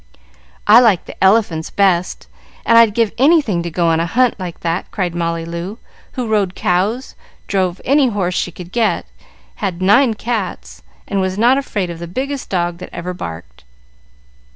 "I like the elephants best, and I'd give anything to go on a hunt like that!" cried Molly Loo, who rode cows, drove any horse she could get, had nine cats, and was not afraid of the biggest dog that ever barked.